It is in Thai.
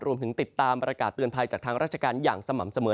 รวมถึงติดตามประกาศเตือนภัยจากทางราชการอย่างสม่ำเสมอ